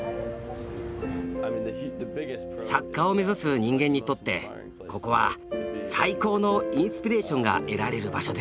作家を目指す人間にとってここは最高のインスピレーションが得られる場所ですね。